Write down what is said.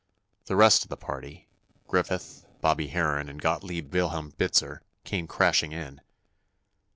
The rest of the party—Griffith, Bobby Harron and Gottlieb Wilhelm Bitzer—came crashing in.